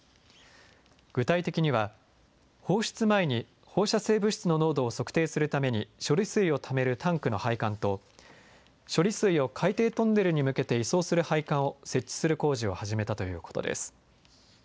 具体的には放出前に放射性物質の濃度を測定するために処理水をためるタンクの配管と処理水を海底トンネルに向けて移送する配管を設置する工事を始めたということです。